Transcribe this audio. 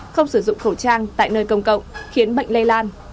không sử dụng khẩu trang tại nơi công cộng khiến bệnh lây lan